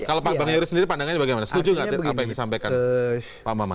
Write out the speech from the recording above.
kalau pak bang yoris sendiri pandangannya bagaimana setuju nggak apa yang disampaikan pak maman